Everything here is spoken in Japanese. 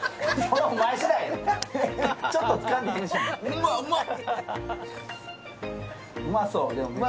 うわっ、うまっ！